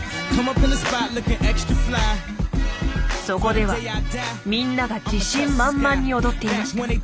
そこではみんなが自信満々に踊っていました。